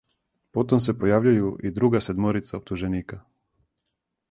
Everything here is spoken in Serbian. Потом се појављују и друга седморица оптуженика.